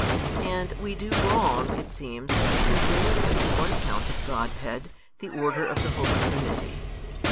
and we do wrong, it seems, in bringing into one count of Godhead, the order of the Holy Trinity.